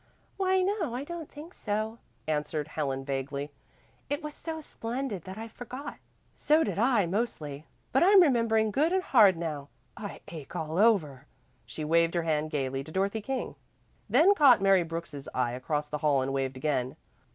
"Why no, I don't think so," answered Helen vaguely. "It was so splendid that I forgot." "So did I mostly, but I'm remembering good and hard now. I ache all over." She waved her hand gaily to Dorothy King, then caught Mary Brooks's eye across the hall and waved again.